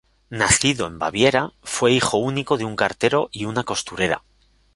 Nacido en Baviera, fue hijo único de un cartero y una costurera.